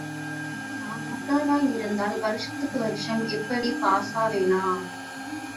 நான் முட்டாளாயிருந்தா வருஷத்துக்கு வருஷம் இப்படி பாஸாவேனா?...